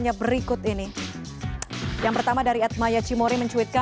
pak eko s junor terima kasih banyak